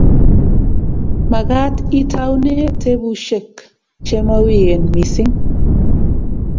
Magaat itaune tebushek chemawien missing